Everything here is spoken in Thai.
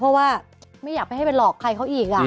เพราะว่าไม่อยากไปให้ไปหลอกใครเขาอีก